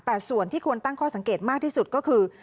แต่ส่วนที่ควรตั้งข้อสังเกตมากที่สุดก็คือ